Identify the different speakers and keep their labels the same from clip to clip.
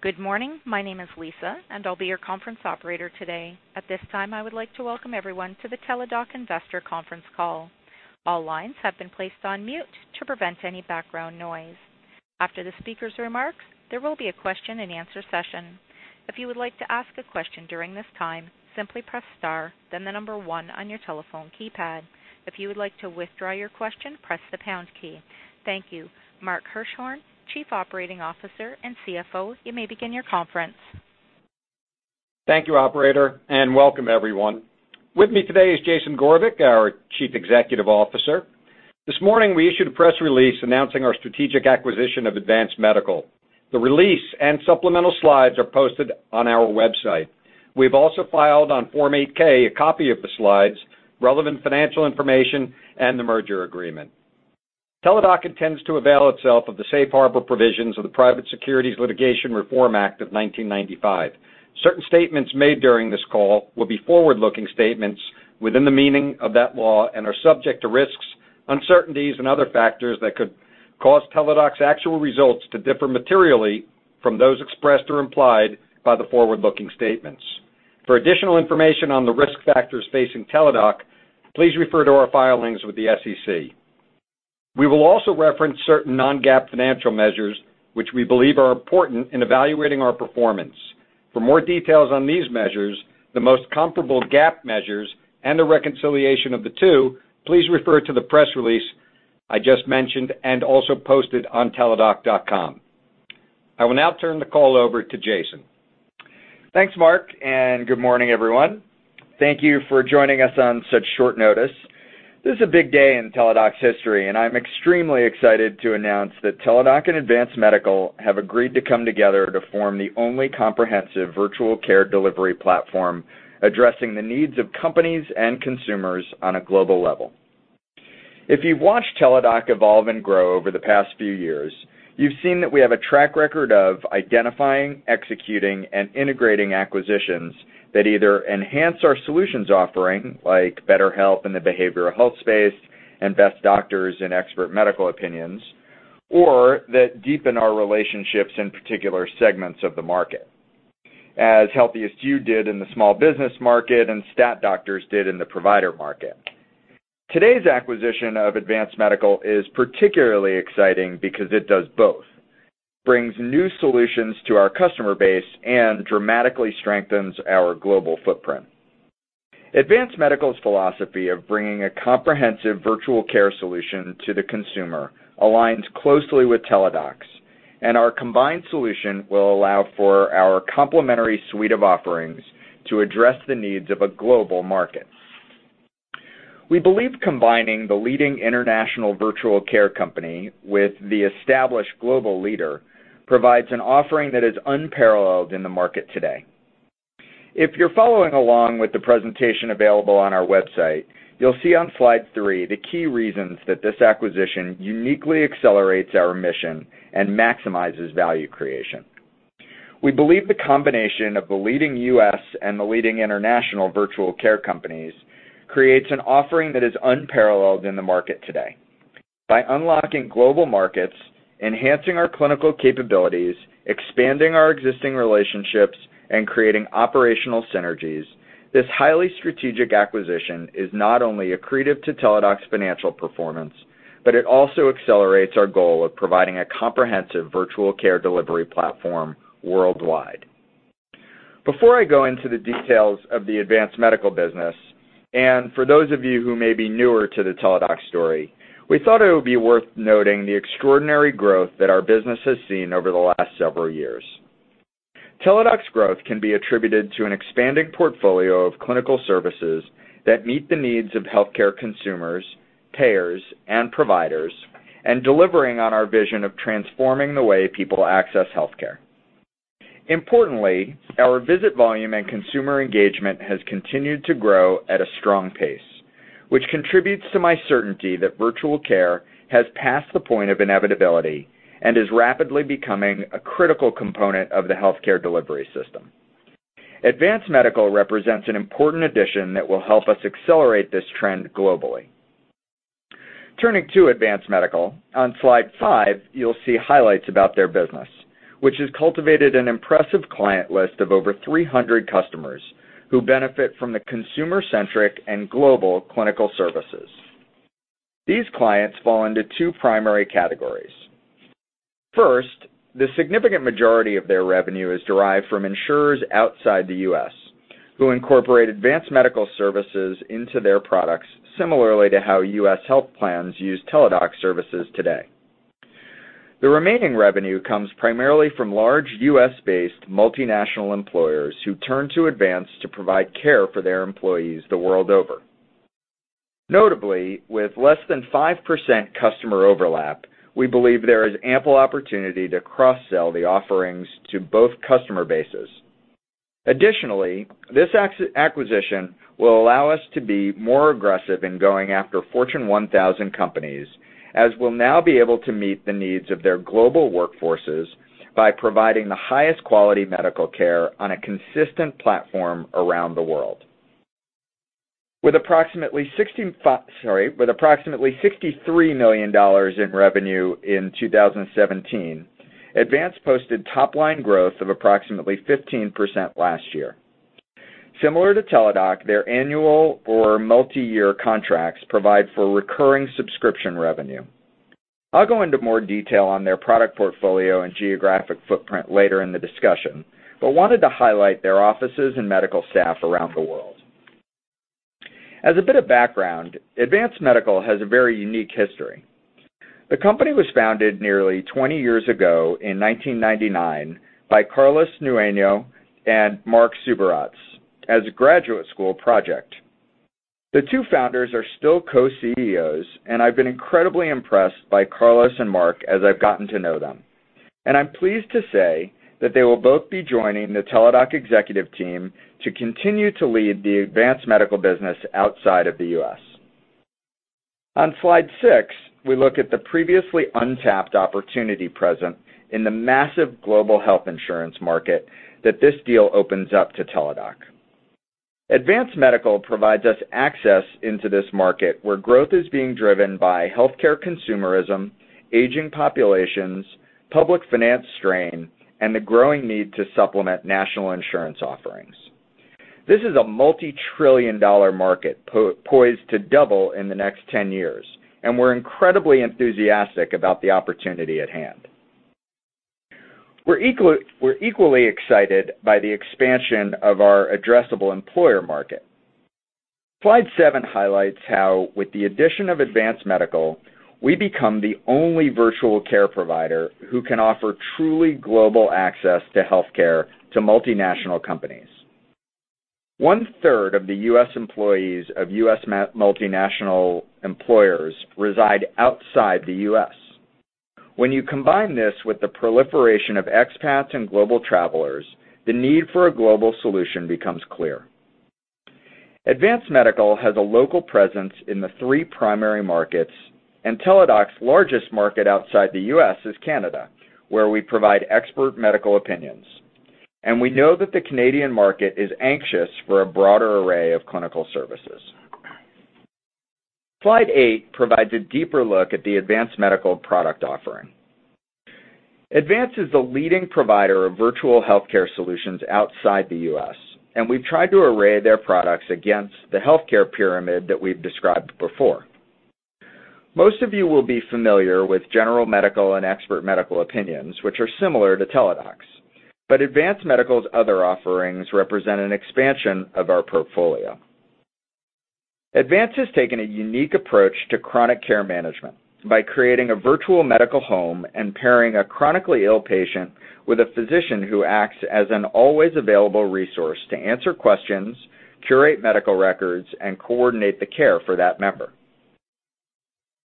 Speaker 1: Good morning. My name is Lisa, and I'll be your conference operator today. At this time, I would like to welcome everyone to the Teladoc investor conference call. All lines have been placed on mute to prevent any background noise. After the speaker's remarks, there will be a question and answer session. If you would like to ask a question during this time, simply press star, then the number one on your telephone keypad. If you would like to withdraw your question, press the pound key. Thank you. Mark Hirschorn, Chief Operating Officer and CFO, you may begin your conference.
Speaker 2: Thank you, operator, and welcome everyone. With me today is Jason Gorevic, our Chief Executive Officer. This morning we issued a press release announcing our strategic acquisition of Advance Medical. The release and supplemental slides are posted on our website. We've also filed on Form 8-K a copy of the slides, relevant financial information, and the merger agreement. Teladoc intends to avail itself of the safe harbor provisions of the Private Securities Litigation Reform Act of 1995. Certain statements made during this call will be forward-looking statements within the meaning of that law and are subject to risks, uncertainties, and other factors that could cause Teladoc's actual results to differ materially from those expressed or implied by the forward-looking statements. For additional information on the risk factors facing Teladoc, please refer to our filings with the SEC. We will also reference certain non-GAAP financial measures which we believe are important in evaluating our performance. For more details on these measures, the most comparable GAAP measures, and a reconciliation of the two, please refer to the press release I just mentioned and also posted on teladoc.com. I will now turn the call over to Jason.
Speaker 3: Thanks, Mark, and good morning, everyone. Thank you for joining us on such short notice. This is a big day in Teladoc's history, and I'm extremely excited to announce that Teladoc and Advance Medical have agreed to come together to form the only comprehensive virtual care delivery platform addressing the needs of companies and consumers on a global level. If you've watched Teladoc evolve and grow over the past few years, you've seen that we have a track record of identifying, executing, and integrating acquisitions that either enhance our solutions offering, like BetterHelp in the behavioral health space and Best Doctors and Expert Medical Opinions, or that deepen our relationships in particular segments of the market, as HealthiestYou did in the small business market and Stat Doctors did in the provider market. Today's acquisition of Advance Medical is particularly exciting because it does both: brings new solutions to our customer base and dramatically strengthens our global footprint. Advance Medical's philosophy of bringing a comprehensive virtual care solution to the consumer aligns closely with Teladoc's, and our combined solution will allow for our complementary suite of offerings to address the needs of a global market. We believe combining the leading international virtual care company with the established global leader provides an offering that is unparalleled in the market today. If you're following along with the presentation available on our website, you'll see on slide three the key reasons that this acquisition uniquely accelerates our mission and maximizes value creation. We believe the combination of the leading U.S. and the leading international virtual care companies creates an offering that is unparalleled in the market today. By unlocking global markets, enhancing our clinical capabilities, expanding our existing relationships, and creating operational synergies, this highly strategic acquisition is not only accretive to Teladoc's financial performance, but it also accelerates our goal of providing a comprehensive virtual care delivery platform worldwide. Before I go into the details of the Advance Medical business, and for those of you who may be newer to the Teladoc story, we thought it would be worth noting the extraordinary growth that our business has seen over the last several years. Teladoc's growth can be attributed to an expanding portfolio of clinical services that meet the needs of healthcare consumers, payers, and providers, and delivering on our vision of transforming the way people access healthcare. Importantly, our visit volume and consumer engagement has continued to grow at a strong pace, which contributes to my certainty that virtual care has passed the point of inevitability and is rapidly becoming a critical component of the healthcare delivery system. Advance Medical represents an important addition that will help us accelerate this trend globally. Turning to Advance Medical, on slide five you'll see highlights about their business, which has cultivated an impressive client list of over 300 customers who benefit from the consumer-centric and global clinical services. These clients fall into two primary categories. First, the significant majority of their revenue is derived from insurers outside the U.S. who incorporate Advance Medical services into their products similarly to how U.S. health plans use Teladoc services today. The remaining revenue comes primarily from large U.S.-based multinational employers who turn to Advance to provide care for their employees the world over. Notably, with less than 5% customer overlap, we believe there is ample opportunity to cross-sell the offerings to both customer bases. Additionally, this acquisition will allow us to be more aggressive in going after Fortune 1000 companies, as we'll now be able to meet the needs of their global workforces by providing the highest quality medical care on a consistent platform around the world. With approximately $63 million in revenue in 2017, Advance posted top-line growth of approximately 15% last year. Similar to Teladoc, their annual or multi-year contracts provide for recurring subscription revenue. I'll go into more detail on their product portfolio and geographic footprint later in the discussion, but wanted to highlight their offices and medical staff around the world. As a bit of background, Advance Medical has a very unique history. The company was founded nearly 20 years ago in 1999 by Carlos Nueno and Marc Subirats as a graduate school project. The two founders are still co-CEOs. I've been incredibly impressed by Carlos and Marc as I've gotten to know them. I'm pleased to say that they will both be joining the Teladoc executive team to continue to lead the Advance Medical business outside of the U.S. On slide six, we look at the previously untapped opportunity present in the massive global health insurance market that this deal opens up to Teladoc. Advance Medical provides us access into this market where growth is being driven by healthcare consumerism, aging populations, public finance strain, and the growing need to supplement national insurance offerings. This is a multi-trillion dollar market poised to double in the next 10 years. We're incredibly enthusiastic about the opportunity at hand. We're equally excited by the expansion of our addressable employer market. Slide seven highlights how, with the addition of Advance Medical, we become the only virtual care provider who can offer truly global access to healthcare to multinational companies. One third of the U.S. employees of U.S. multinational employers reside outside the U.S. When you combine this with the proliferation of expats and global travelers, the need for a global solution becomes clear. Advance Medical has a local presence in the three primary markets, and Teladoc's largest market outside the U.S. is Canada, where we provide Expert Medical Opinions. We know that the Canadian market is anxious for a broader array of clinical services. Slide eight provides a deeper look at the Advance Medical product offering. Advance is the leading provider of virtual healthcare solutions outside the U.S. We've tried to array their products against the healthcare pyramid that we've described before. Most of you will be familiar with general medical and Expert Medical Opinions, which are similar to Teladoc's. Advance Medical's other offerings represent an expansion of our portfolio. Advance has taken a unique approach to chronic care management by creating a virtual medical home and pairing a chronically ill patient with a physician who acts as an always-available resource to answer questions, curate medical records, and coordinate the care for that member.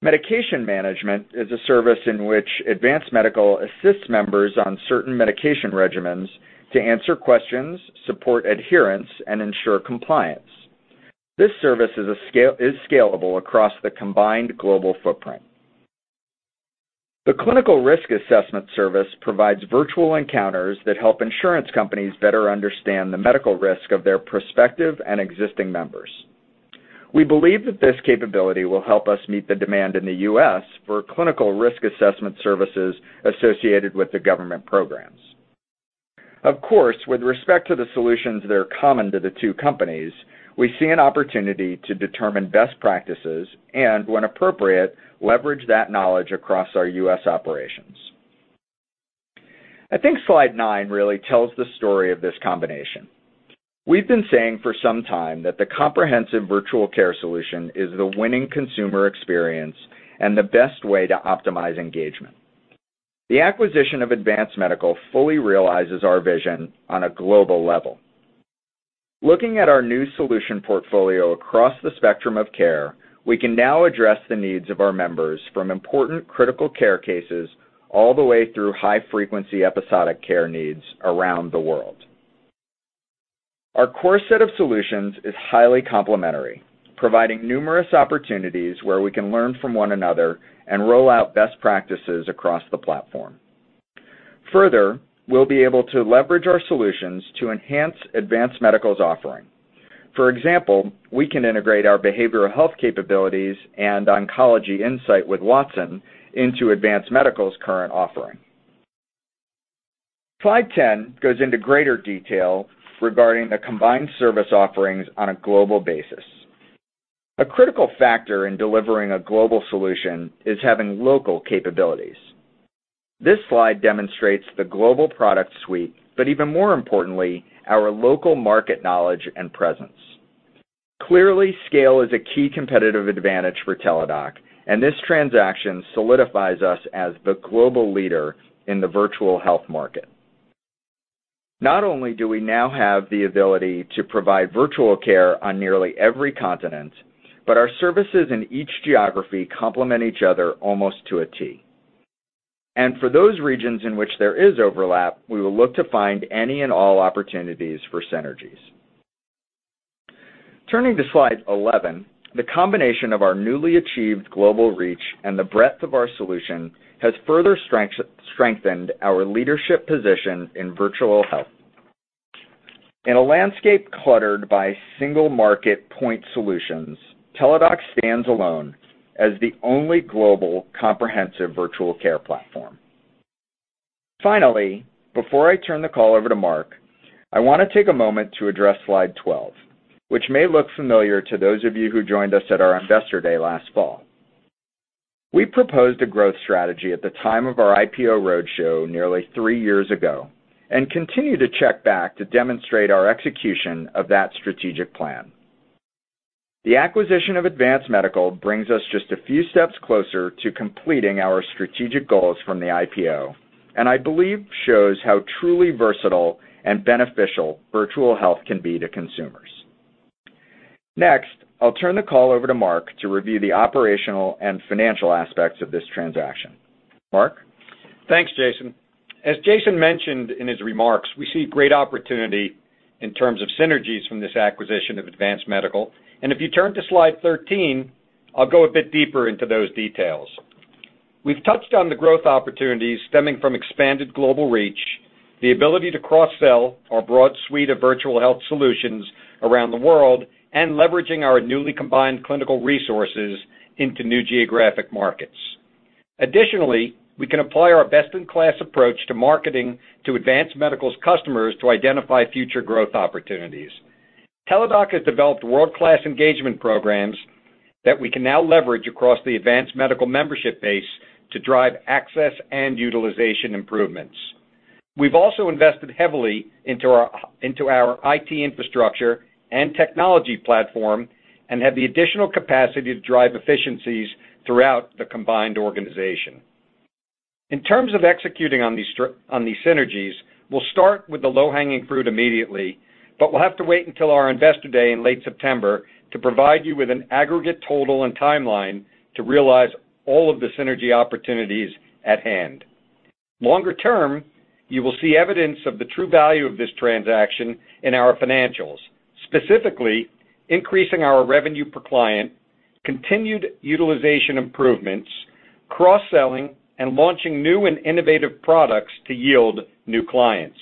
Speaker 3: Medication management is a service in which Advance Medical assists members on certain medication regimens to answer questions, support adherence, and ensure compliance. This service is scalable across the combined global footprint. The clinical risk assessment service provides virtual encounters that help insurance companies better understand the medical risk of their prospective and existing members. We believe that this capability will help us meet the demand in the U.S. for clinical risk assessment services associated with the government programs. Of course, with respect to the solutions that are common to the two companies, we see an opportunity to determine best practices and, when appropriate, leverage that knowledge across our U.S. operations. I think slide nine really tells the story of this combination. We've been saying for some time that the comprehensive virtual care solution is the winning consumer experience and the best way to optimize engagement. The acquisition of Advance Medical fully realizes our vision on a global level. Looking at our new solution portfolio across the spectrum of care, we can now address the needs of our members from important critical care cases all the way through high-frequency episodic care needs around the world. Our core set of solutions is highly complementary, providing numerous opportunities where we can learn from one another and roll out best practices across the platform. Further, we'll be able to leverage our solutions to enhance Advance Medical's offering. For example, we can integrate our behavioral health capabilities and Oncology Insight with Watson into Advance Medical's current offering. Slide 10 goes into greater detail regarding the combined service offerings on a global basis. A critical factor in delivering a global solution is having local capabilities. This slide demonstrates the global product suite, but even more importantly, our local market knowledge and presence. Clearly, scale is a key competitive advantage for Teladoc, this transaction solidifies us as the global leader in the virtual health market. Not only do we now have the ability to provide virtual care on nearly every continent, our services in each geography complement each other almost to a T. For those regions in which there is overlap, we will look to find any and all opportunities for synergies. Turning to Slide 11, the combination of our newly achieved global reach and the breadth of our solution has further strengthened our leadership position in virtual health. In a landscape cluttered by single market point solutions, Teladoc stands alone as the only global comprehensive virtual care platform. Finally, before I turn the call over to Mark, I want to take a moment to address Slide 12, which may look familiar to those of you who joined us at our Investor Day last fall. We proposed a growth strategy at the time of our IPO roadshow nearly three years ago, continue to check back to demonstrate our execution of that strategic plan. The acquisition of Advance Medical brings us just a few steps closer to completing our strategic goals from the IPO, I believe shows how truly versatile and beneficial virtual health can be to consumers. Next, I'll turn the call over to Mark to review the operational and financial aspects of this transaction. Mark?
Speaker 2: Thanks, Jason. As Jason mentioned in his remarks, we see great opportunity in terms of synergies from this acquisition of Advance Medical. If you turn to Slide 13, I'll go a bit deeper into those details. We've touched on the growth opportunities stemming from expanded global reach, the ability to cross-sell our broad suite of virtual health solutions around the world, and leveraging our newly combined clinical resources into new geographic markets. Additionally, we can apply our best-in-class approach to marketing to Advance Medical's customers to identify future growth opportunities. Teladoc has developed world-class engagement programs that we can now leverage across the Advance Medical membership base to drive access and utilization improvements. We've also invested heavily into our IT infrastructure and technology platform and have the additional capacity to drive efficiencies throughout the combined organization. In terms of executing on these synergies, we'll start with the low-hanging fruit immediately, but we'll have to wait until our Investor Day in late September to provide you with an aggregate total and timeline to realize all of the synergy opportunities at hand. Longer term, you will see evidence of the true value of this transaction in our financials. Specifically, increasing our revenue per client, continued utilization improvements, cross-selling, and launching new and innovative products to yield new clients.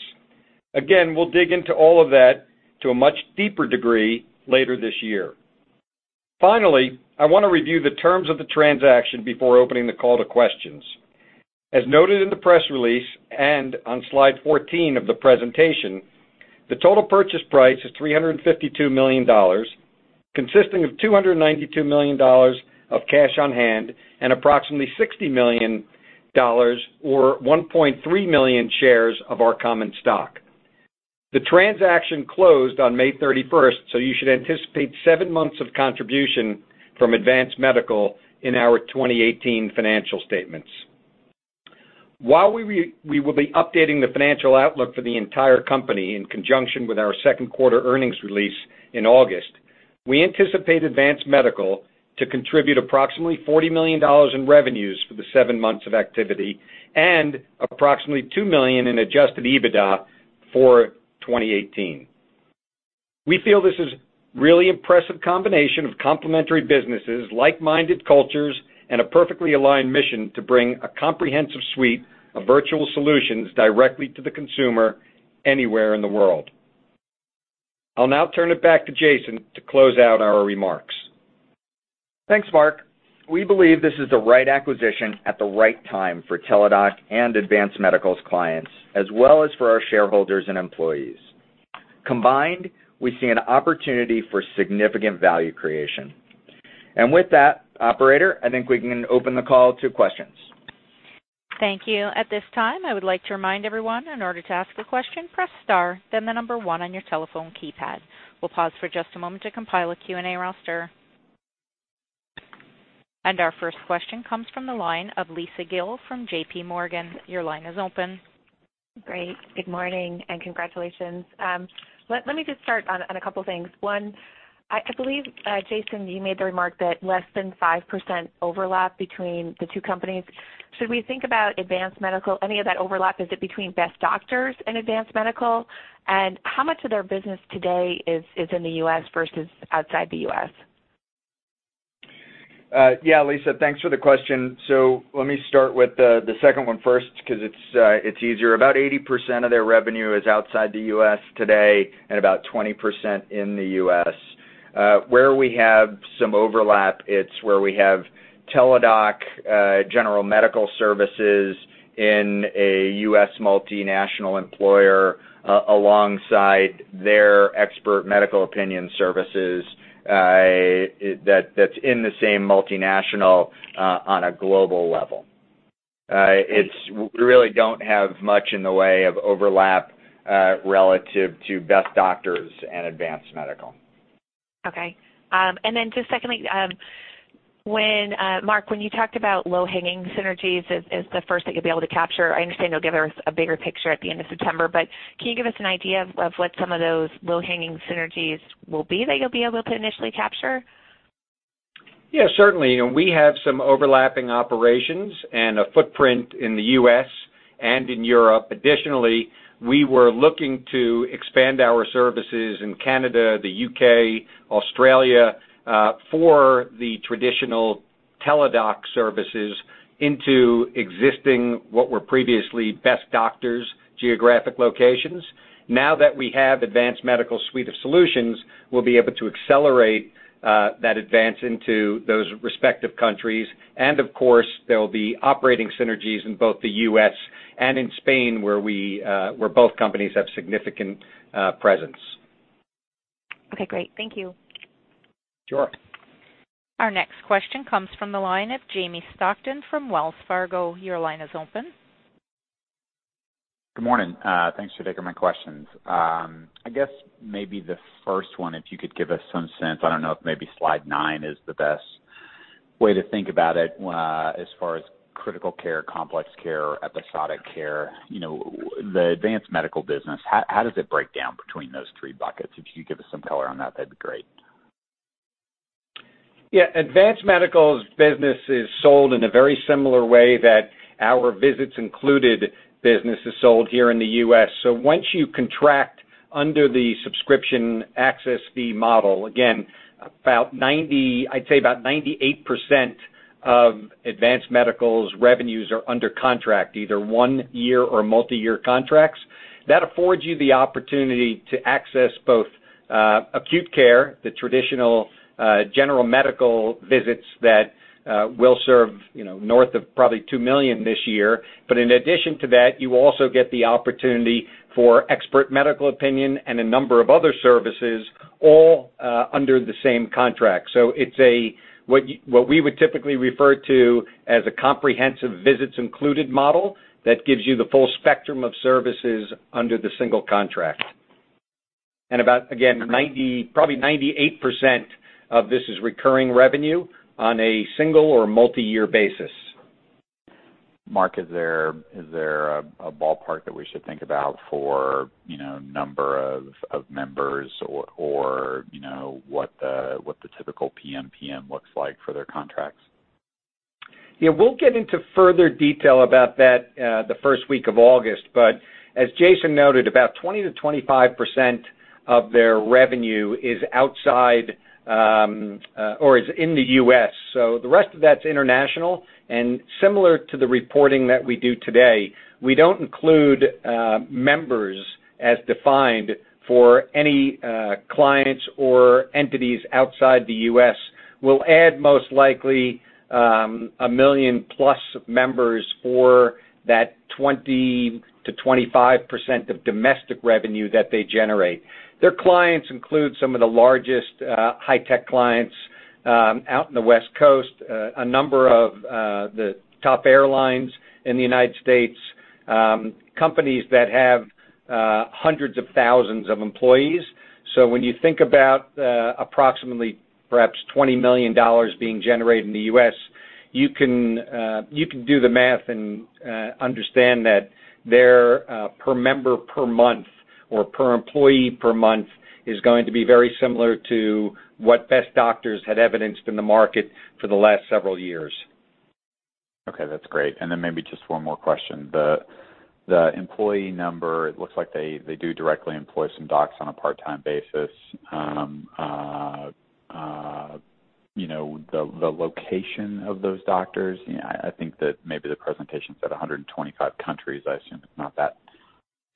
Speaker 2: We'll dig into all of that to a much deeper degree later this year. Finally, I want to review the terms of the transaction before opening the call to questions. As noted in the press release, on slide 14 of the presentation, the total purchase price is $352 million, consisting of $292 million of cash on hand and approximately $60 million, or 1.3 million shares of our common stock. The transaction closed on May 31st. You should anticipate seven months of contribution from Advance Medical in our 2018 financial statements. While we will be updating the financial outlook for the entire company in conjunction with our second quarter earnings release in August, we anticipate Advance Medical to contribute approximately $40 million in revenues for the seven months of activity and approximately $2 million in adjusted EBITDA for 2018. We feel this is really impressive combination of complementary businesses, like-minded cultures, and a perfectly aligned mission to bring a comprehensive suite of virtual solutions directly to the consumer anywhere in the world. I'll now turn it back to Jason to close out our remarks.
Speaker 3: Thanks, Mark. We believe this is the right acquisition at the right time for Teladoc and Advance Medical's clients, as well as for our shareholders and employees. Combined, we see an opportunity for significant value creation. With that, operator, I think we can open the call to questions.
Speaker 1: Thank you. At this time, I would like to remind everyone, in order to ask a question, press star, then 1 on your telephone keypad. We'll pause for just a moment to compile a Q&A roster. Our first question comes from the line of Lisa Gill from JPMorgan. Your line is open.
Speaker 4: Great. Good morning, and congratulations. Let me just start on a couple things. One, I believe, Jason, you made the remark that less than 5% overlap between the two companies. Should we think about Advance Medical, any of that overlap, is it between Best Doctors and Advance Medical? How much of their business today is in the U.S. versus outside the U.S.?
Speaker 3: Yeah, Lisa, thanks for the question. Let me start with the second one first, because it's easier. About 80% of their revenue is outside the U.S. today and about 20% in the U.S. Where we have some overlap, it's where we have Teladoc general medical services in a U.S. multinational employer alongside their Expert Medical Opinions services that's in the same multinational on a global level. We really don't have much in the way of overlap relative to Best Doctors and Advance Medical.
Speaker 4: Okay. Then just secondly, Mark, when you talked about low-hanging synergies as the first that you'll be able to capture, I understand you'll give us a bigger picture at the end of September, but can you give us an idea of what some of those low-hanging synergies will be that you'll be able to initially capture?
Speaker 2: Yeah, certainly. We have some overlapping operations and a footprint in the U.S. and in Europe. Additionally, we were looking to expand our services in Canada, the U.K., Australia for the traditional Teladoc services into existing, what were previously Best Doctors geographic locations. Now that we have Advance Medical's suite of solutions, we'll be able to accelerate that advance into those respective countries. Of course, there'll be operating synergies in both the U.S. and in Spain, where both companies have significant presence.
Speaker 4: Okay, great. Thank you.
Speaker 2: Sure.
Speaker 1: Our next question comes from the line of Jamie Stockton from Wells Fargo. Your line is open.
Speaker 5: Good morning. Thanks for taking my questions. I guess maybe the first one, if you could give us some sense, I don't know if maybe slide nine is the best way to think about it, as far as critical care, complex care, episodic care. The Advance Medical business, how does it break down between those three buckets? If you could give us some color on that'd be great.
Speaker 2: Yeah. Advance Medical's business is sold in a very similar way that our visits included business is sold here in the U.S. Once you contract under the subscription access fee model, again, I'd say about 98% of Advance Medical's revenues are under contract, either one year or multi-year contracts. That affords you the opportunity to access both acute care, the traditional, general medical visits that will serve north of probably 2 million this year. In addition to that, you also get the opportunity for Expert Medical Opinion and a number of other services, all under the same contract. It's what we would typically refer to as a comprehensive visits included model that gives you the full spectrum of services under the single contract. And about, again, probably 98% of this is recurring revenue on a single or multi-year basis.
Speaker 5: Mark, is there a ballpark that we should think about for number of members or what the typical PMPM looks like for their contracts?
Speaker 2: Yeah. We'll get into further detail about that the first week of August. As Jason noted, about 20%-25% of their revenue is in the U.S. The rest of that's international, and similar to the reporting that we do today, we don't include members as defined for any clients or entities outside the U.S. We'll add most likely, 1 million+ members for that 20%-25% of domestic revenue that they generate. Their clients include some of the largest high-tech clients out in the West Coast, a number of the top airlines in the United States, companies that have hundreds of thousands of employees. When you think about approximately perhaps $20 million being generated in the U.S., you can do the math and understand that their per member per month or per employee per month is going to be very similar to what Best Doctors had evidenced in the market for the last several years.
Speaker 5: Okay, that's great. Then maybe just one more question. The employee number, it looks like they do directly employ some docs on a part-time basis. The location of those doctors, I think that maybe the presentation said 125 countries. I assume it's not that diverse.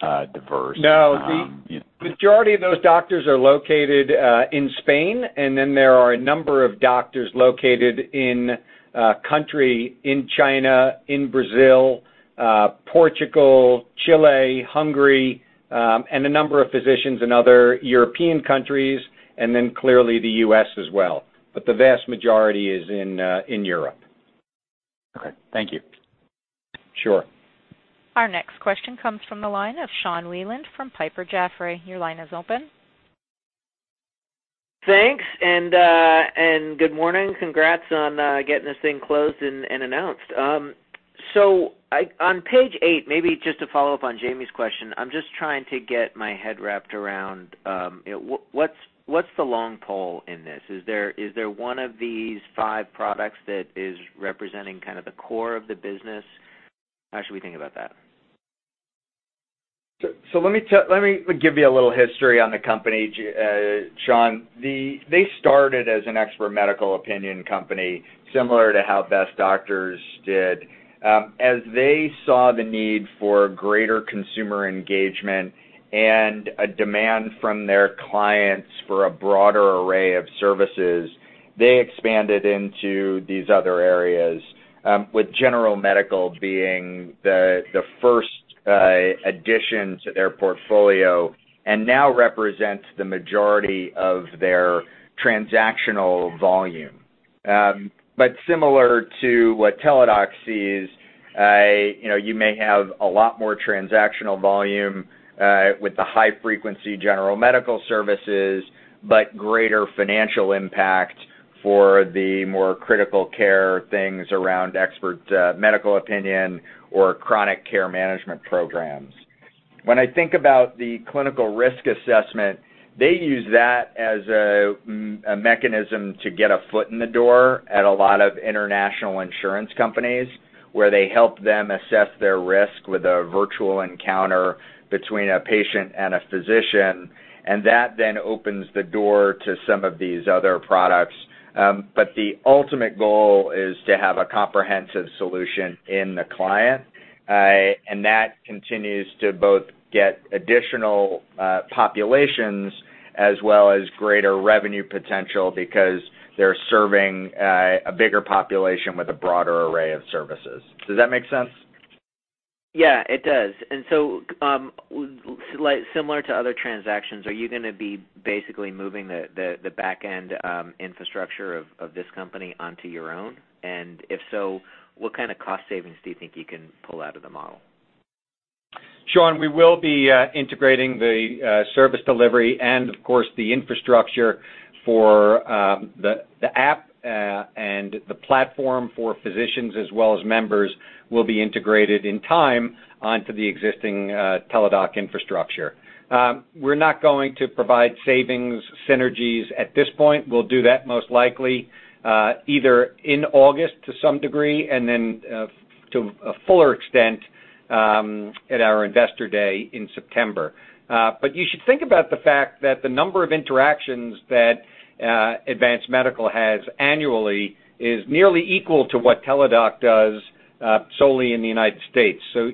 Speaker 2: No. The majority of those doctors are located in Spain. Then there are a number of doctors located in country, in China, in Brazil, Portugal, Chile, Hungary, and a number of physicians in other European countries, and then clearly the U.S. as well. The vast majority is in Europe.
Speaker 5: Okay, thank you.
Speaker 2: Sure.
Speaker 1: Our next question comes from the line of Sean Wieland from Piper Jaffray. Your line is open.
Speaker 6: Thanks, good morning. Congrats on getting this thing closed and announced. On page 8, maybe just to follow up on Jamie's question, I'm just trying to get my head wrapped around, what's the long pole in this? Is there one of these five products that is representing the core of the business? How should we think about that?
Speaker 2: Let me give you a little history on the company, Sean. They started as an Expert Medical Opinions company, similar to how Best Doctors did. As they saw the need for greater consumer engagement and a demand from their clients for a broader array of services, they expanded into these other areas, with general medical being the first addition to their portfolio, and now represents the majority of their transactional volume. Similar to what Teladoc sees, you may have a lot more transactional volume, with the high frequency general medical services, but greater financial impact for the more critical care things around Expert Medical Opinions or chronic care management programs. When I think about the clinical risk assessment, they use that as a mechanism to get a foot in the door at a lot of international insurance companies, where they help them assess their risk with a virtual encounter between a patient and a physician. That then opens the door to some of these other products. The ultimate goal is to have a comprehensive solution in the client, and that continues to both get additional populations as well as greater revenue potential because they're serving a bigger population with a broader array of services. Does that make sense?
Speaker 6: Yeah, it does. Similar to other transactions, are you going to be basically moving the back-end infrastructure of this company onto your own? If so, what kind of cost savings do you think you can pull out of the model?
Speaker 2: Sean, we will be integrating the service delivery and of course, the infrastructure for the app and the platform for physicians as well as members will be integrated in time onto the existing Teladoc infrastructure. We're not going to provide savings synergies at this point. We'll do that most likely either in August to some degree, and then to a fuller extent, at our investor day in September. You should think about the fact that the number of interactions that Advance Medical has annually is nearly equal to what Teladoc does solely in the U.S.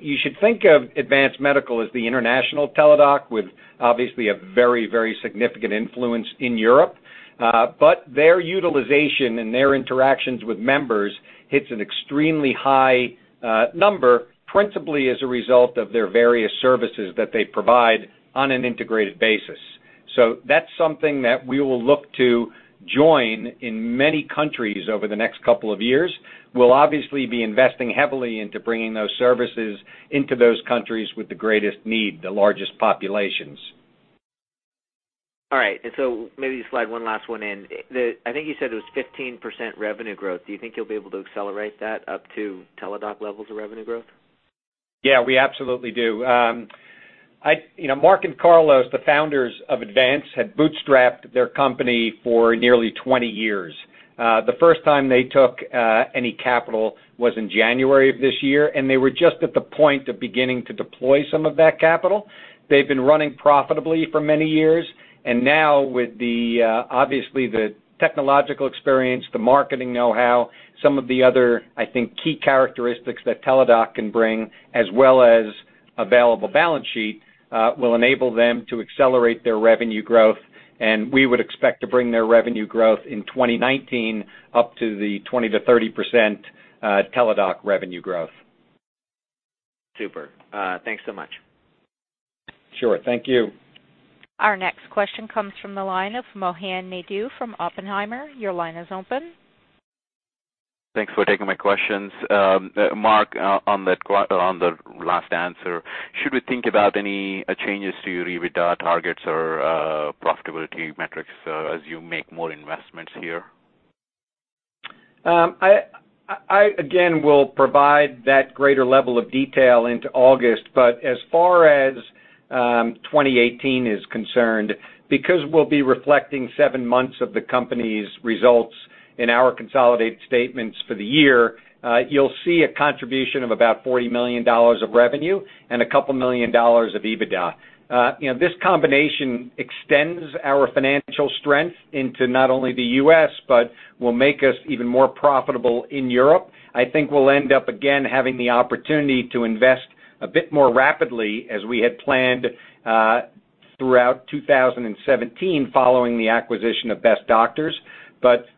Speaker 2: You should think of Advance Medical as the international Teladoc with obviously a very, very significant influence in Europe. Their utilization and their interactions with members hits an extremely high number, principally as a result of their various services that they provide on an integrated basis. That's something that we will look to join in many countries over the next couple of years. We'll obviously be investing heavily into bringing those services into those countries with the greatest need, the largest populations.
Speaker 6: All right. Maybe slide one last one in. I think you said it was 15% revenue growth. Do you think you'll be able to accelerate that up to Teladoc levels of revenue growth?
Speaker 2: Yeah, we absolutely do. Mark and Carlos, the founders of Advance, had bootstrapped their company for nearly 20 years. The first time they took any capital was in January of this year, and they were just at the point of beginning to deploy some of that capital. They've been running profitably for many years. Now with the, obviously the technological experience, the marketing know-how, some of the other, I think, key characteristics that Teladoc can bring, as well as available balance sheet, will enable them to accelerate their revenue growth, and we would expect to bring their revenue growth in 2019 up to the 20%-30% Teladoc revenue growth.
Speaker 6: Super. Thanks so much.
Speaker 2: Sure. Thank you.
Speaker 1: Our next question comes from the line of Mohan Naidu from Oppenheimer. Your line is open.
Speaker 7: Thanks for taking my questions. Mark, on the last answer, should we think about any changes to your EBITDA targets or profitability metrics as you make more investments here?
Speaker 2: I, again, will provide that greater level of detail into August, but as far as 2018 is concerned, because we'll be reflecting seven months of the company's results in our consolidated statements for the year, you'll see a contribution of about $40 million of revenue and a couple million dollars of EBITDA. This combination extends our financial strength into not only the U.S., but will make us even more profitable in Europe. I think we'll end up, again, having the opportunity to invest a bit more rapidly as we had planned throughout 2017 following the acquisition of Best Doctors.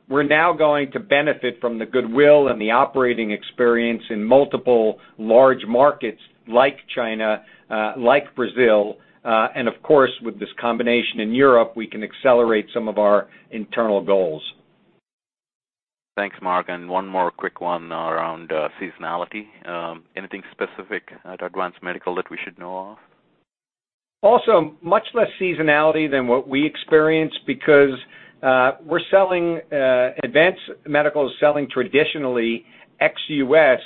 Speaker 2: We're now going to benefit from the goodwill and the operating experience in multiple large markets like China, like Brazil, and of course, with this combination in Europe, we can accelerate some of our internal goals.
Speaker 7: Thanks, Mark. One more quick one around seasonality. Anything specific at Advance Medical that we should know of?
Speaker 2: Also, much less seasonality than what we experience because Advance Medical is selling traditionally ex-U.S.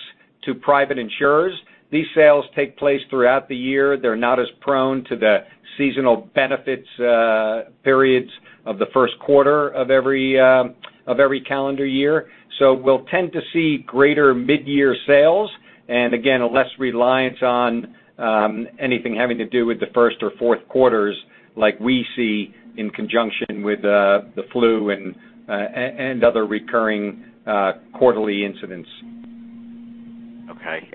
Speaker 2: to private insurers. These sales take place throughout the year. They're not as prone to the seasonal benefits periods of the first quarter of every calendar year. We'll tend to see greater mid-year sales, and again, a less reliance on anything having to do with the first or fourth quarters like we see in conjunction with the flu and other recurring quarterly incidents.
Speaker 7: Okay.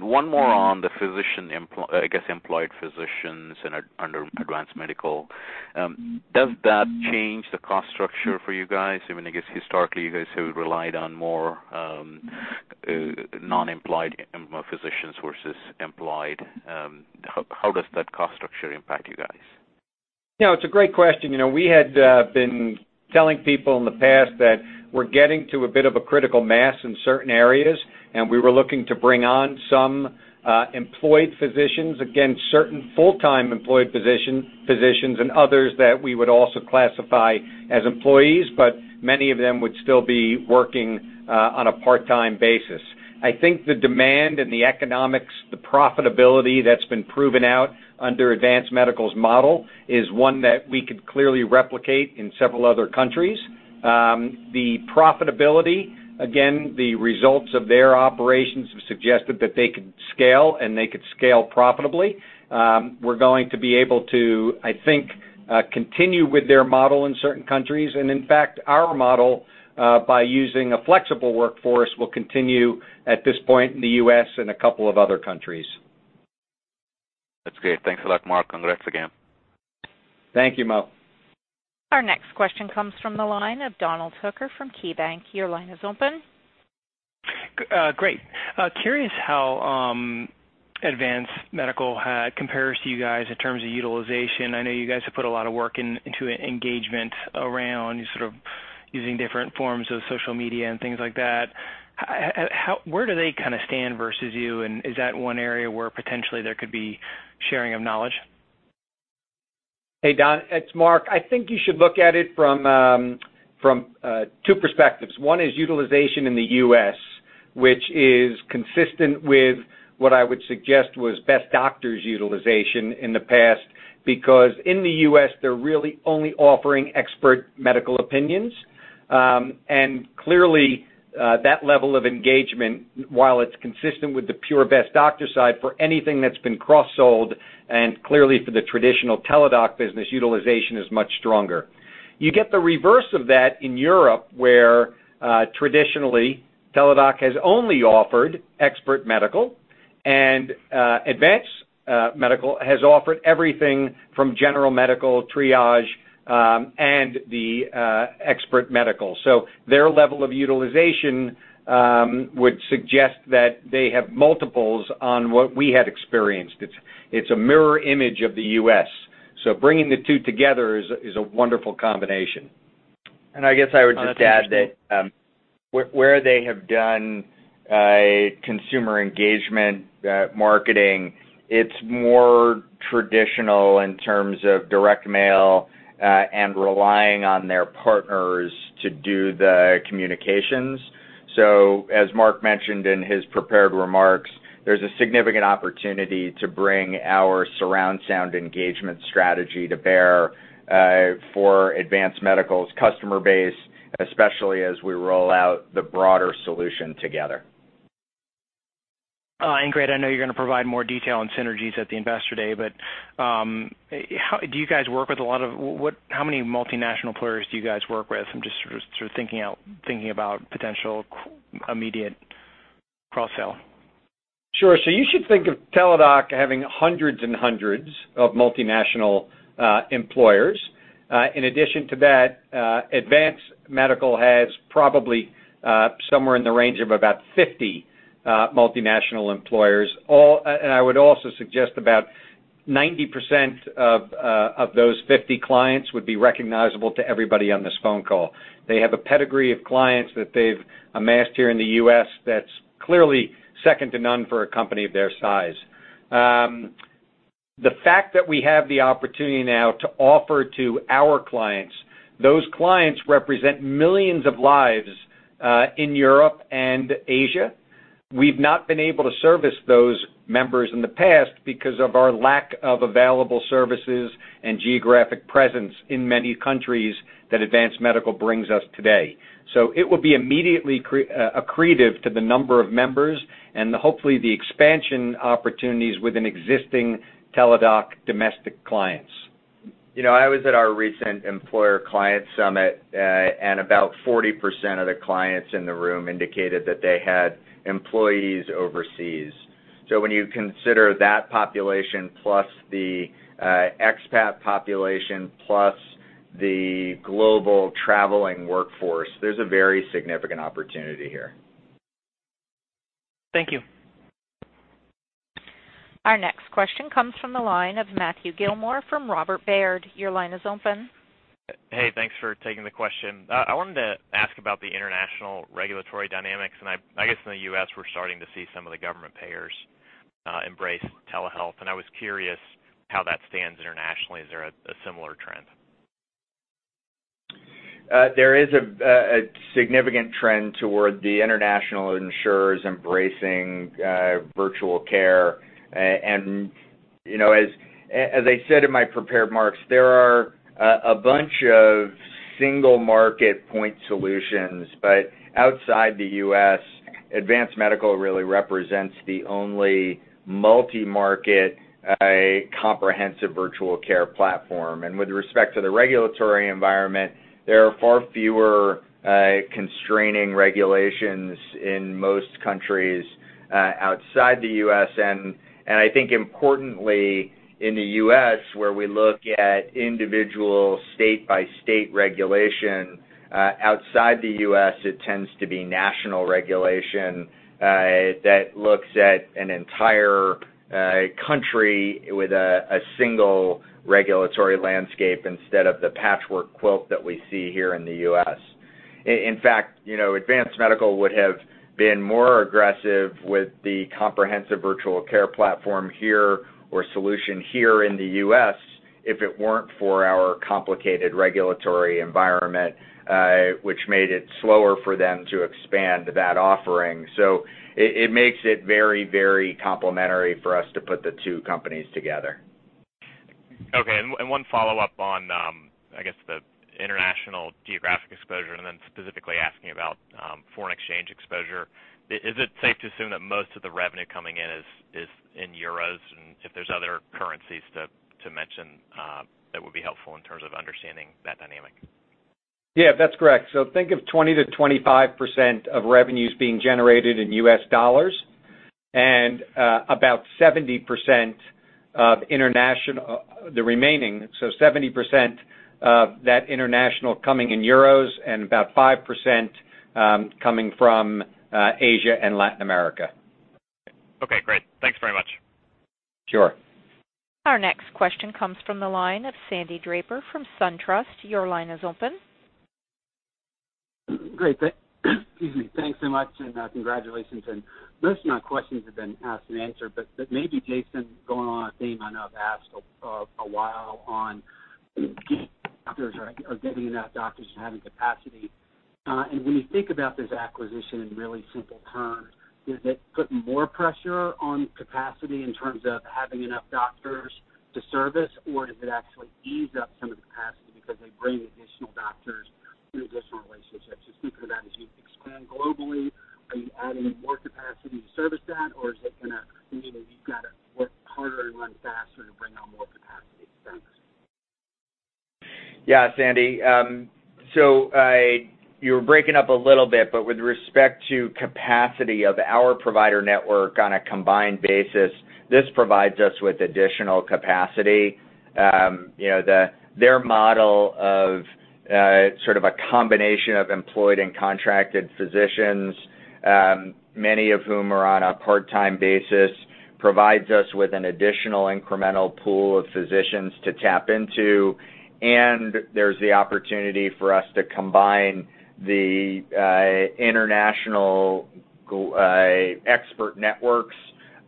Speaker 7: One more on the physician, I guess, employed physicians under Advance Medical. Does that change the cost structure for you guys? Even I guess historically, you guys have relied on more non-employed physicians versus employed. How does that cost structure impact you guys?
Speaker 2: It's a great question. We had been telling people in the past that we're getting to a bit of a critical mass in certain areas. We were looking to bring on some employed physicians. Again, certain full-time employed physicians and others that we would also classify as employees, but many of them would still be working on a part-time basis. I think the demand and the economics, the profitability that's been proven out under Advance Medical's model is one that we could clearly replicate in several other countries. The profitability. Again, the results of their operations have suggested that they could scale and they could scale profitably. We're going to be able to, I think, continue with their model in certain countries. In fact, our model, by using a flexible workforce, will continue at this point in the U.S. and a couple of other countries.
Speaker 7: That's great. Thanks a lot, Mark. Congrats again.
Speaker 2: Thank you, Mo.
Speaker 1: Our next question comes from the line of Donald Hooker from KeyBanc. Your line is open.
Speaker 8: Great. Curious how Advance Medical compares to you guys in terms of utilization. I know you guys have put a lot of work into engagement around using different forms of social media and things like that. Where do they stand versus you, and is that one area where potentially there could be sharing of knowledge?
Speaker 2: Hey, Don, it's Mark. I think you should look at it from two perspectives. One is utilization in the U.S., which is consistent with what I would suggest was Best Doctors utilization in the past, because in the U.S., they're really only offering Expert Medical Opinions. Clearly, that level of engagement, while it's consistent with the pure Best Doctors side, for anything that's been cross-sold, and clearly for the traditional Teladoc business, utilization is much stronger. You get the reverse of that in Europe, where traditionally Teladoc has only offered expert medical, and Advance Medical has offered everything from general medical triage and the expert medical. Their level of utilization would suggest that they have multiples on what we had experienced. It's a mirror image of the U.S. Bringing the two together is a wonderful combination.
Speaker 3: I guess I would just add that where they have done consumer engagement marketing, it's more traditional in terms of direct mail and relying on their partners to do the communications. As Mark mentioned in his prepared remarks, there's a significant opportunity to bring our surround sound engagement strategy to bear for Advance Medical's customer base, especially as we roll out the broader solution together.
Speaker 8: Great, I know you're going to provide more detail on synergies at the investor day, how many multinational players do you guys work with? I'm just thinking about potential immediate cross-sell.
Speaker 2: Sure. You should think of Teladoc Health having hundreds and hundreds of multinational employers. In addition to that, Advance Medical has probably somewhere in the range of about 50 multinational employers. I would also suggest about 90% of those 50 clients would be recognizable to everybody on this phone call. They have a pedigree of clients that they've amassed here in the U.S. that's clearly second to none for a company of their size. The fact that we have the opportunity now to offer to our clients, those clients represent millions of lives in Europe and Asia. We've not been able to service those members in the past because of our lack of available services and geographic presence in many countries that Advance Medical brings us today. It will be immediately accretive to the number of members and hopefully the expansion opportunities within existing Teladoc Health domestic clients.
Speaker 3: I was at our recent employer client summit. About 40% of the clients in the room indicated that they had employees overseas. When you consider that population plus the expat population plus the global traveling workforce, there's a very significant opportunity here.
Speaker 8: Thank you.
Speaker 1: Our next question comes from the line of Matthew Gillmor from Robert W. Baird. Your line is open.
Speaker 9: Hey, thanks for taking the question. I wanted to ask about the international regulatory dynamics. I guess in the U.S., we're starting to see some of the government payers embrace telehealth, and I was curious how that stands internationally. Is there a similar trend?
Speaker 3: There is a significant trend toward the international insurers embracing virtual care. As I said in my prepared remarks, there are a bunch of single market point solutions, but outside the U.S., Advance Medical really represents the only multi-market comprehensive virtual care platform. With respect to the regulatory environment, there are far fewer constraining regulations in most countries outside the U.S. I think importantly, in the U.S., where we look at individual state-by-state regulation, outside the U.S., it tends to be national regulation that looks at an entire country with a single regulatory landscape instead of the patchwork quilt that we see here in the U.S. In fact, Advance Medical would have been more aggressive with the comprehensive virtual care platform here or solution here in the U.S. if it weren't for our complicated regulatory environment, which made it slower for them to expand that offering. It makes it very complementary for us to put the two companies together.
Speaker 9: Okay. One follow-up on, I guess the international geographic exposure, then specifically asking about foreign exchange exposure. Is it safe to assume that most of the revenue coming in is in euros? If there's other currencies to mention, that would be helpful in terms of understanding that dynamic.
Speaker 2: That's correct. Think of 20%-25% of revenues being generated in US dollars and about 70% of international, the remaining, 70% of that international coming in EUR and about 5% coming from Asia and Latin America.
Speaker 9: Okay, great. Thanks very much.
Speaker 3: Sure.
Speaker 1: Our next question comes from the line of Sandy Draper from SunTrust. Your line is open.
Speaker 10: Great. Excuse me, thanks so much, congratulations. Most of my questions have been asked and answered, maybe Jason, going on a theme I know I've asked a while on getting enough doctors or having capacity. When you think about this acquisition in really simple terms, does it put more pressure on capacity in terms of having enough doctors to service? Does it actually ease up some of the capacity because they bring additional doctors through additional relationships? Just thinking of that as you expand globally, are you adding more capacity to service that? Is it going to mean that you've got to work harder and run faster to bring on more capacity? Thanks.
Speaker 3: Yeah, Sandy. You were breaking up a little bit, with respect to capacity of our provider network on a combined basis, this provides us with additional capacity. Their model of sort of a combination of employed and contracted physicians, many of whom are on a part-time basis, provides us with an additional incremental pool of physicians to tap into. There's the opportunity for us to combine the international expert networks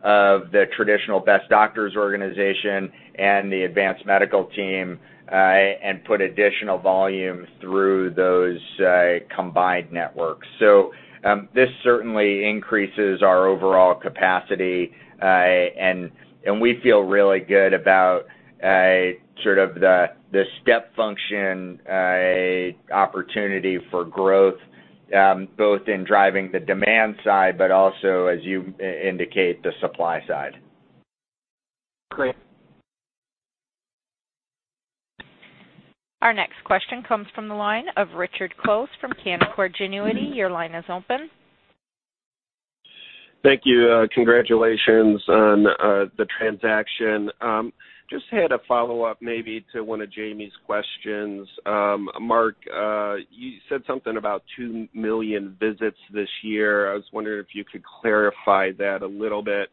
Speaker 3: of the traditional Best Doctors organization and the Advance Medical team, and put additional volume through those combined networks. This certainly increases our overall capacity, and we feel really good about sort of the step function opportunity for growth, both in driving the demand side, but also as you indicate, the supply side.
Speaker 10: Great.
Speaker 1: Our next question comes from the line of Richard Close from Canaccord Genuity. Your line is open.
Speaker 11: Thank you. Congratulations on the transaction. Just had a follow-up maybe to one of Jamie's questions. Mark, you said something about 2 million visits this year. I was wondering if you could clarify that a little bit.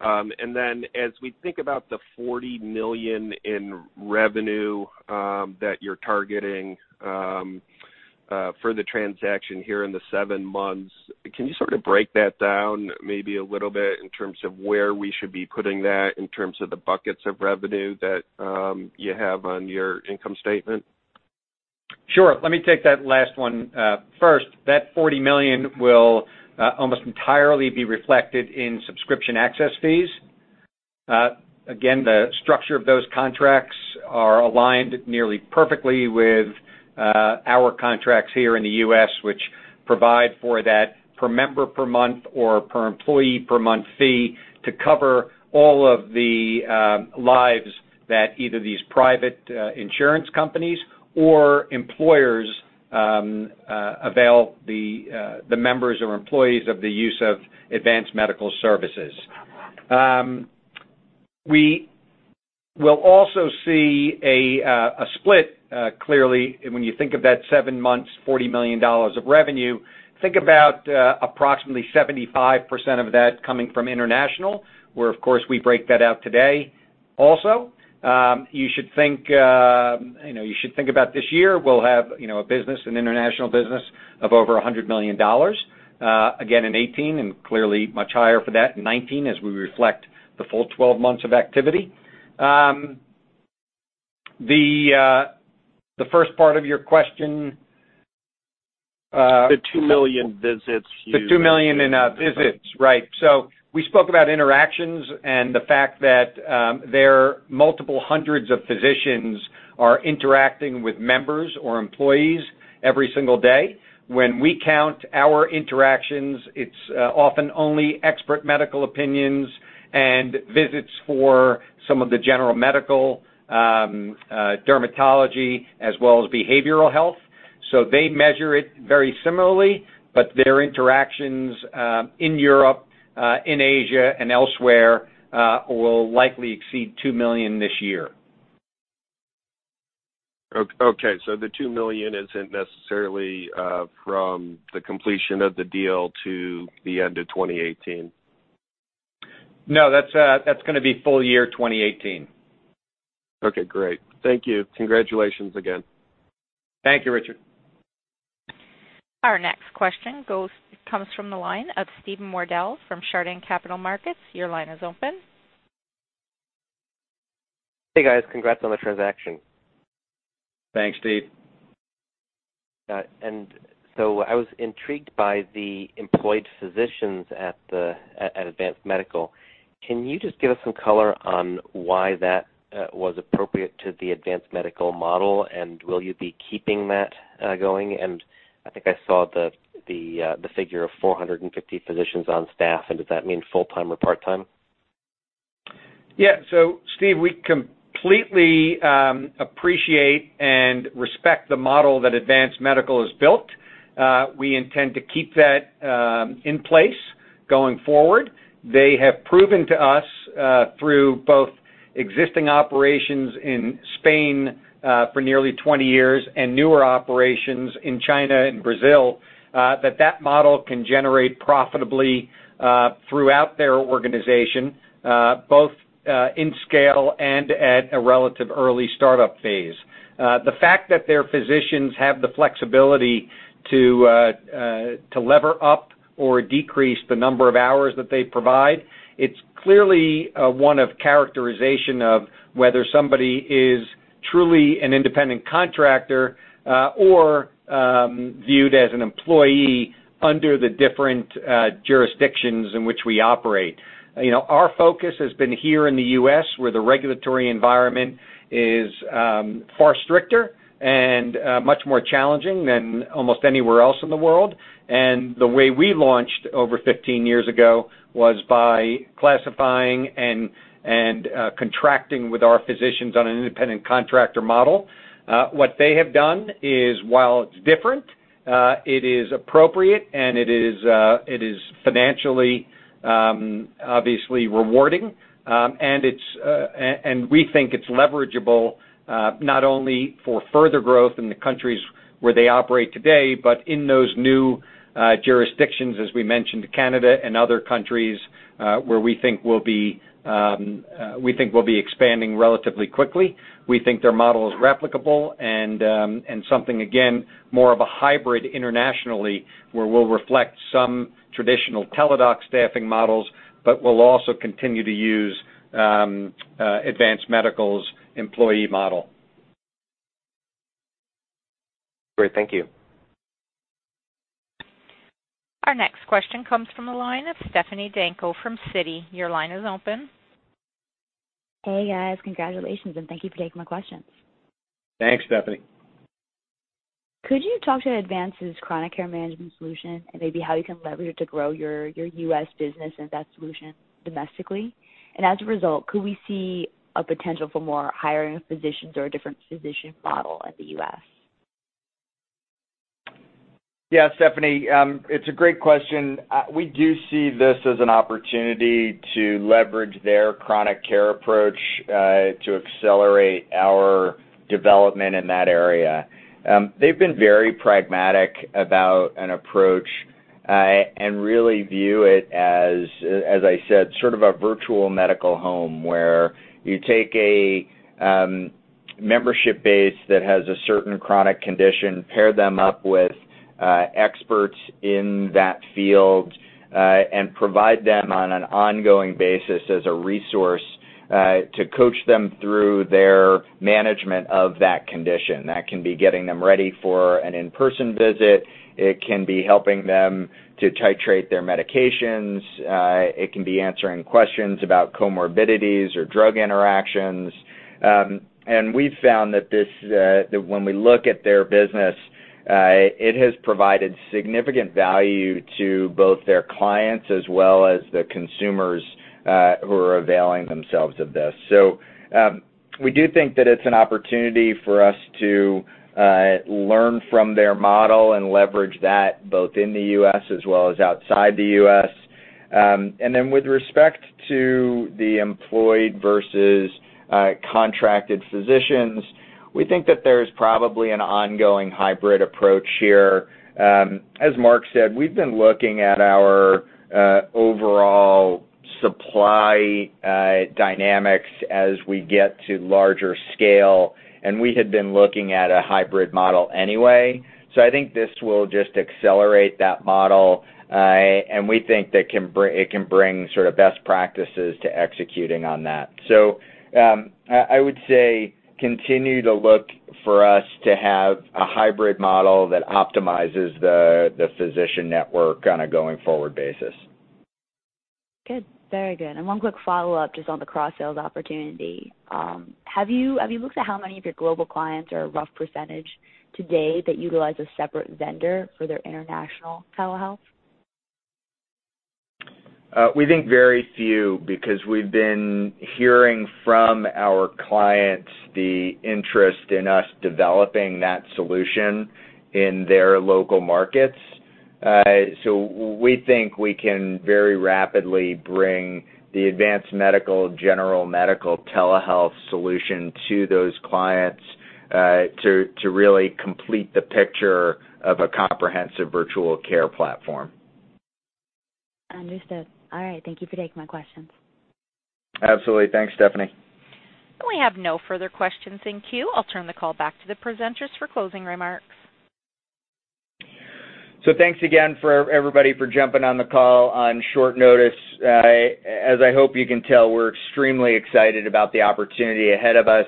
Speaker 11: Then as we think about the $40 million in revenue that you're targeting for the transaction here in the 7 months, can you sort of break that down maybe a little bit in terms of where we should be putting that in terms of the buckets of revenue that you have on your income statement?
Speaker 2: Sure. Let me take that last one first. That $40 million will almost entirely be reflected in subscription access fees. Again, the structure of those contracts are aligned nearly perfectly with our contracts here in the U.S., which provide for that per member per month or per employee per month fee to cover all of the lives that either these private insurance companies or employers avail the members or employees of the use of Advance Medical services. You will also see a split, clearly, when you think of that 7 months, $40 million of revenue, think about approximately 75% of that coming from international, where, of course, we break that out today. You should think about this year, we'll have a business, an international business of over $100 million, again in 2018, and clearly much higher for that in 2019, as we reflect the full 12 months of activity. The first part of your question.
Speaker 11: The 2 million visits.
Speaker 2: The 2 million in visits. Right. We spoke about interactions and the fact that their multiple hundreds of physicians are interacting with members or employees every single day. When we count our interactions, it's often only Expert Medical Opinions and visits for some of the general medical, dermatology, as well as behavioral health. They measure it very similarly, but their interactions in Europe, in Asia, and elsewhere will likely exceed 2 million this year.
Speaker 11: Okay. The 2 million isn't necessarily from the completion of the deal to the end of 2018.
Speaker 3: No, that's going to be full year 2018.
Speaker 11: Okay, great. Thank you. Congratulations again.
Speaker 3: Thank you, Richard.
Speaker 1: Our next question comes from the line of Steven Wardell from Chardan Capital Markets. Your line is open.
Speaker 12: Hey, guys. Congrats on the transaction.
Speaker 3: Thanks, Steve.
Speaker 12: I was intrigued by the employed physicians at Advance Medical. Can you just give us some color on why that was appropriate to the Advance Medical model, will you be keeping that going? I think I saw the figure of 450 physicians on staff, does that mean full-time or part-time?
Speaker 2: Yeah. Steve, we completely appreciate and respect the model that Advance Medical has built. We intend to keep that in place going forward. They have proven to us, through both existing operations in Spain for nearly 20 years and newer operations in China and Brazil, that that model can generate profitably throughout their organization, both in scale and at a relative early startup phase. The fact that their physicians have the flexibility to lever up or decrease the number of hours that they provide, it's clearly one of characterization of whether somebody is truly an independent contractor or viewed as an employee under the different jurisdictions in which we operate. Our focus has been here in the U.S., where the regulatory environment is far stricter and much more challenging than almost anywhere else in the world. The way we launched over 15 years ago was by classifying and contracting with our physicians on an independent contractor model. What they have done is, while it's different, it is appropriate, and it is financially, obviously rewarding. We think it's leverageable, not only for further growth in the countries where they operate today, but in those new jurisdictions, as we mentioned, Canada and other countries, where we think we'll be expanding relatively quickly. We think their model is replicable and something, again, more of a hybrid internationally, where we'll reflect some traditional Teladoc staffing models, but we'll also continue to use Advance Medical's employee model.
Speaker 12: Great. Thank you.
Speaker 1: Our next question comes from the line of Stephanie Davis from Citi. Your line is open.
Speaker 13: Hey, guys. Congratulations, and thank you for taking my questions.
Speaker 2: Thanks, Stephanie.
Speaker 13: Could you talk to Advance's chronic care management solution and maybe how you can leverage it to grow your U.S. business and that solution domestically? As a result, could we see a potential for more hiring of physicians or a different physician model at the U.S.?
Speaker 3: Yeah, Stephanie, it's a great question. We do see this as an opportunity to leverage their chronic care approach to accelerate our development in that area. They've been very pragmatic about an approach and really view it as I said, sort of a virtual medical home where you take a membership base that has a certain chronic condition, pair them up with experts in that field, and provide them on an ongoing basis as a resource to coach them through their management of that condition. That can be getting them ready for an in-person visit. It can be helping them to titrate their medications. It can be answering questions about comorbidities or drug interactions. We've found that when we look at their business, it has provided significant value to both their clients as well as the consumers who are availing themselves of this. We do think that it's an opportunity for us to learn from their model and leverage that both in the U.S. as well as outside the U.S. Then with respect to the employed versus contracted physicians, we think that there's probably an ongoing hybrid approach here. As Mark said, we've been looking at our overall supply dynamics as we get to larger scale, and we had been looking at a hybrid model anyway. I think this will just accelerate that model, and we think it can bring best practices to executing on that. I would say continue to look for us to have a hybrid model that optimizes the physician network on a going-forward basis.
Speaker 13: Good. Very good. One quick follow-up, just on the cross-sales opportunity. Have you looked at how many of your global clients, or a rough percentage today, that utilize a separate vendor for their international telehealth?
Speaker 3: We think very few, because we've been hearing from our clients the interest in us developing that solution in their local markets. We think we can very rapidly bring the Advance Medical general medical telehealth solution to those clients to really complete the picture of a comprehensive virtual care platform.
Speaker 13: Understood. All right. Thank you for taking my questions.
Speaker 2: Absolutely. Thanks, Stephanie.
Speaker 1: We have no further questions in queue. I'll turn the call back to the presenters for closing remarks.
Speaker 3: Thanks again, everybody, for jumping on the call on short notice. As I hope you can tell, we're extremely excited about the opportunity ahead of us.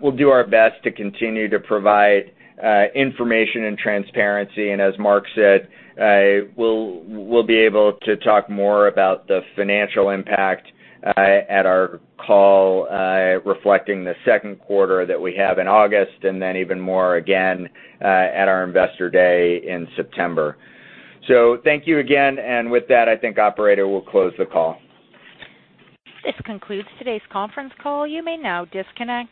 Speaker 3: We'll do our best to continue to provide information and transparency. As Mark said, we'll be able to talk more about the financial impact at our call reflecting the second quarter that we have in August, and then even more again at our Investor Day in September. Thank you again. With that, I think, operator, we'll close the call.
Speaker 1: This concludes today's conference call. You may now disconnect.